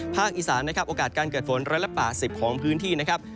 ภาคอีสานนะครับโอกาสการเกิดฝนร้ายละป่า๑๐ของพื้นที่นะครับ